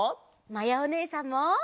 まやおねえさんも。